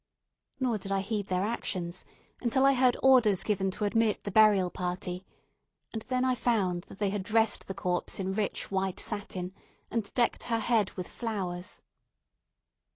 Nor did I heed their actions until I heard orders given to admit the burial party, and then I found that they had dressed the corpse in rich white satin, and decked her head with flowers.